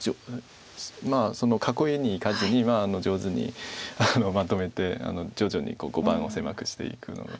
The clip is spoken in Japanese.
まあ囲いにいかずに上手にまとめて徐々に碁盤を狭くしていく。